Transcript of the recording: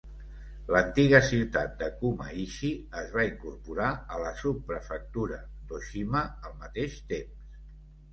L'antiga ciutat de Kumaishi es va incorporar a la subprefectura d'Oshima al mateix temps.